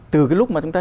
từ cái lúc mà chúng ta